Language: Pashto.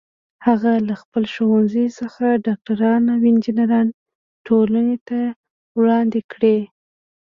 هغه له خپل ښوونځي څخه ډاکټران او انجینران ټولنې ته وړاندې کړي